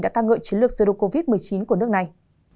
đã ca ngợi chiến lược giữa đủ covid một mươi chín của nước này